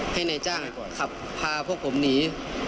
ให้นายจ้างขับพาพวกผมหนี